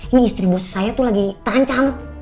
ini istri bus saya tuh lagi terancam